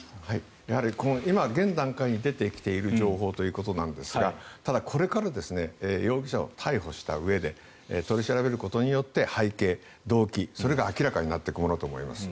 やはり今現段階に出てきている情報ということなんですがただ、これから容疑者を逮捕したうえで取り調べることによって背景、動機それが明らかになっていくものと思われます。